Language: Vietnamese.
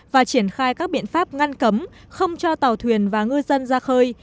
và triển khai các biện pháp ngăn cấm không cho tàu thuyền và ngư dân ra khơi